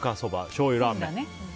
しょうゆラーメン。